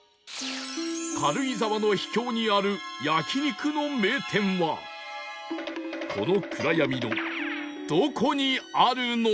軽井沢の秘境にある焼肉の名店はこの暗闇のどこにあるのか？